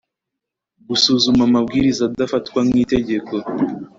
gusuzuma amabwiriza adafatwa nk itegeko